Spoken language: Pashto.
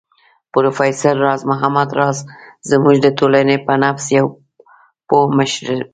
پروفېسر راز محمد راز زموږ د ټولنې په نبض پوه مشر و